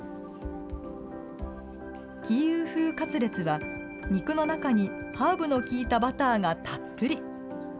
キーウ風カツレツは、肉の中にハーブの効いたバターがたっぷり。